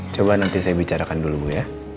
coba nanti saya bicarakan dulu bu ya